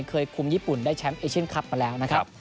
เคยคุมญี่ปุ่นได้แชมป์เอเชียนคลับมาแล้วนะครับ